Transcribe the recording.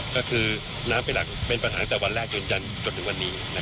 ก็คือน้ำไปหลักเป็นปัญหาแต่วันแรกจนจนถึงวันนี้